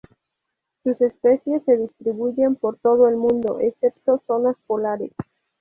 Sus especies se distribuyen por todo el mundo, excepto zonas polares.